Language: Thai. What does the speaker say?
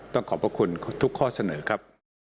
ขอบพระคุณทุกข้อเสนอครับ